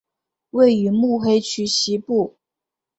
位于目黑区西部。